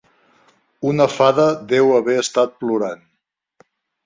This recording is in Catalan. Una fada deu haver estat plorant.